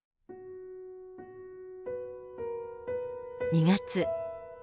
２月。